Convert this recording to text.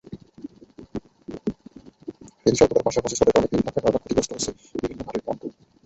ফেরি স্বল্পতার পাশাপাশি স্রোতের কারণে ফেরির ধাক্কায় বারবার ক্ষতিগ্রস্ত হচ্ছে বিভিন্ন ঘাটের পন্টুন।